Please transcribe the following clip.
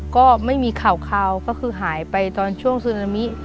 ก็ไม่มีข่าวก็คือหายไปตอนช่วงซึนามิ